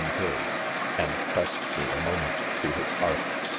in his, and press ed me a moment to his heart.